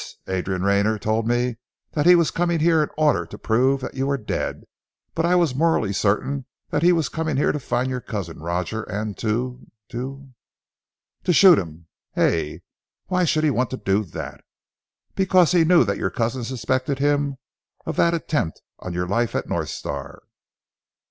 Adrian Rayner told me that he was coming here in order to prove that you were dead but I was morally certain that he was coming here to find your cousin Roger and to to " "To shoot him, hey? Why should he want to do that?" "Because he knew that your cousin suspected him of that attempt on your life at North Star!"